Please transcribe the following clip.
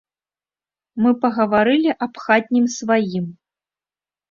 Мы пагаварылі аб хатнім сваім.